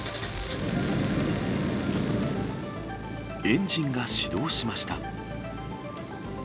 エンジンが始動しました。